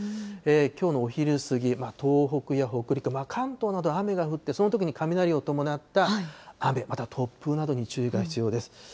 きょうのお昼過ぎ、東北や北陸、関東など雨が降って、そのときに雷を伴った雨、また突風などに注意が必要です。